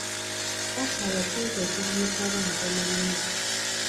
Akaya ssente z'amusaba ntonno nnyo.